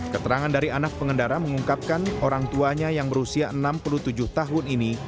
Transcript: keterangan dari anak pengendara mengungkapkan orang tuanya yang berusia enam puluh tujuh tahun ini